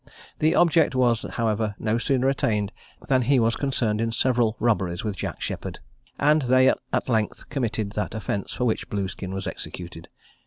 This object was, however, no sooner attained, than he was concerned in several robberies with Jack Sheppard; and they at length committed that offence for which Blueskin was executed.